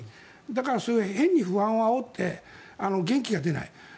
だから、変に不安をあおって元気が出ない。